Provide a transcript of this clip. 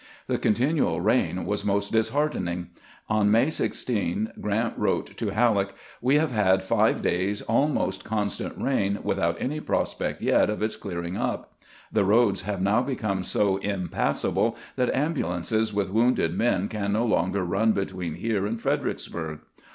The continual rain was most disheartening. On May 16 Grant wrote to Halleck :" We have had five days' almost constant rain, without any prospect yet of its clearing up. The roads have now become so impassable that ambulances with wounded men can no longer run between here and Fredericksburg.